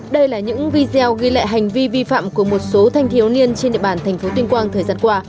đây là những video ghi lại hành vi vi phạm của một số thanh thiếu niên trên địa bàn thành phố tuyên quang thời gian qua